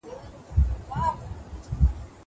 زه به کالي وچولي وي!!